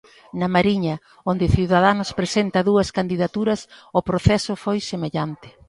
Na Mariña, onde Ciudadanos presenta dúas candidaturas, o proceso foi semellante.